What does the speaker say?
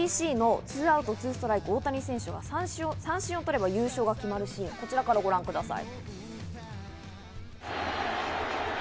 まずはＷＢＣの２アウト、２ストライク、大谷選手が三振を取れば優勝が決まるシーン、こちらからご覧ください。